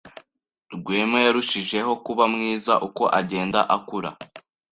Rwema yarushijeho kuba mwiza uko agenda akura.